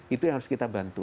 itu yang harus kita bantu